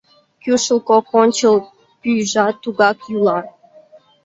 Кӱшыл кок ончыл пӱйжат тугак йӱла.